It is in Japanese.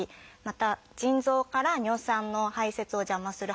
また腎臓から尿酸の排せつを邪魔する働きがあり